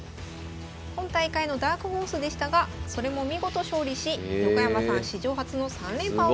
今大会のダークホースでしたがそれも見事勝利し横山さん史上初の３連覇を達成しました。